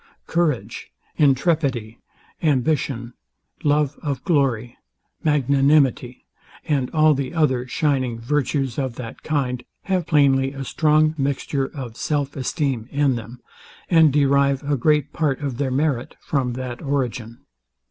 Courage, intrepidity, ambition, love of glory, magnanimity, and all the other shining virtues of that kind, have plainly a strong mixture of self esteem in them, and derive a great part of their merit from that origin.